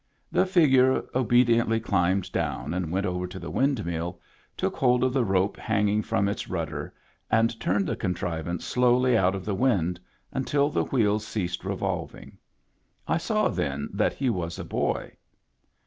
The figure obediently climbed down and went over to the windmill, took hold of the rope hang ing from its rudder, and turned the contrivance slowly out of the wind, until the wheel ceased revolving. I saw then that he was a boy.